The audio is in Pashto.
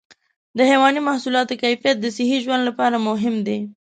د حيواني محصولاتو کیفیت د صحي ژوند لپاره مهم دی.